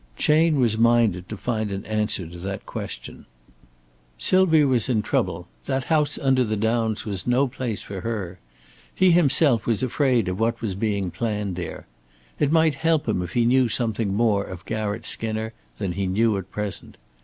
Chayne was minded to find an answer to that question. Sylvia was in trouble; that house under the downs was no place for her. He himself was afraid of what was being planned there. It might help him if he knew something more of Garratt Skinner than he knew at present.